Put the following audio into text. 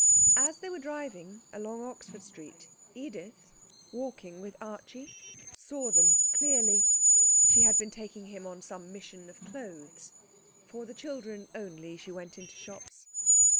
As they were driving along Oxford Street Edith, walking with Archie, saw them clearly. She had been taking him on some mission of clothes. (For the children only she went into shops.)